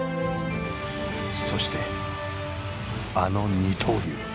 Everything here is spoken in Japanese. そしてあの二刀流。